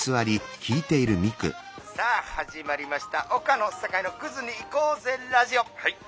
「さあ始まりました『岡野・酒井のクズにいこうぜラジオ』。